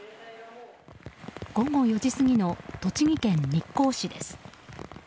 午後４時過ぎの栃木県日光市です。